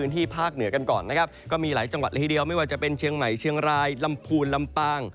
ที่ภาคเหนือกันก่อนนะครับก็มีหลายจังหวัดละทีเดียวไม่ว่าจะเป็นเชียงใหม่เชียงรายลำพูนลำปาง